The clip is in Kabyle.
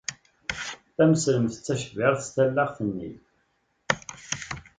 Tmeslemt-d tacbirt s talaɣt-nni.